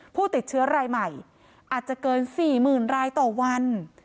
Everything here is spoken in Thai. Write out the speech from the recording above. ผู้ติดเชื้อรายใหม่อาจจะเกิน๔๐๐๐รายต่อวัน